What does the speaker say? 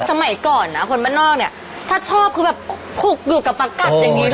สมัยก่อนนะคนบ้านนอกเนี่ยถ้าชอบคือแบบขลุกอยู่กับประกัดอย่างนี้เลย